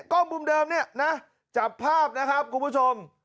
กล้องมุมเดิมเนี่ยนะจับภาพนะครับคุณผู้ชม